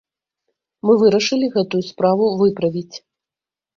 Мы вырашылі гэтую справу выправіць!